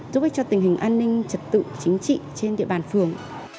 giúp ích cho tình hình an ninh trật tự chính trị trên địa bàn phường